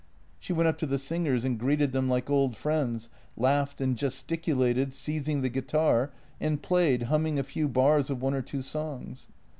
" She went up to the singers and greeted them like old friends — laughed and gesticulated, seizing the guitar, and played, humming a few bars of one or two songs.